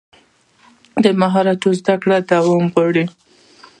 د مهارت زده کړه دوام غواړي.